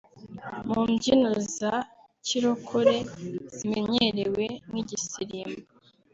mu mbyino za kirokore zimenyerewe nk’igisirimba